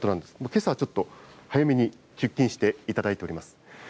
けさはちょっと早めに出勤していただいております。